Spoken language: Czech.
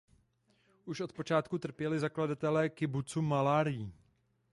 Už od počátku trpěli zakladatelé kibucu malárií.